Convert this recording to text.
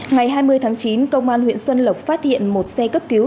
ngày hai mươi tháng chín công an huyện xuân lộc phát hiện một xe cấp cứu